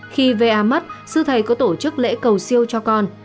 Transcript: khi va mất sư thầy có tổ chức lễ cầu siêu cho con